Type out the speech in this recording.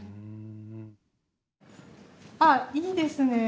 あっいいですね。